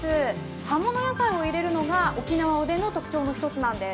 葉物野菜を入れるのが沖縄おでんの特徴です。